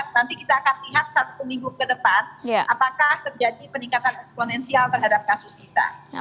nanti kita akan lihat satu minggu ke depan apakah terjadi peningkatan eksponensial terhadap kasus kita